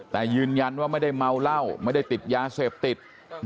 แต่ยืนยันว่าไม่ได้เมาเหล้าไม่ได้ติดยาเสพติด